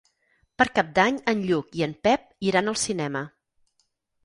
Per Cap d'Any en Lluc i en Pep iran al cinema.